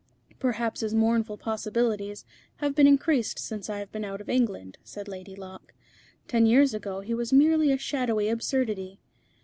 '" "Perhaps his mournful possibilities have been increased since I have been out of England," said Lady Locke. "Ten years ago he was merely a shadowy absurdity."